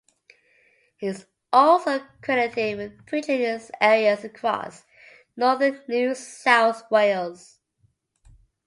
He is also credited with preaching in areas across Northern New South Wales.